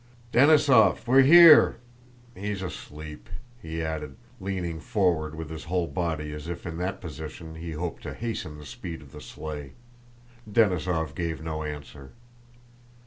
"Denísov! We're here! He's asleep," he added, leaning forward with his whole body as if in that position he hoped to hasten the speed of the sleigh. Denísov gave no answer.